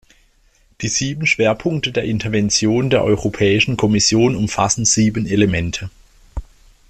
Die sieben Schwerpunkte der Intervention der Europäischen Kommission umfassen sieben Elemente.